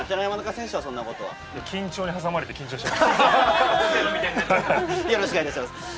選手に挟まれて緊張してます。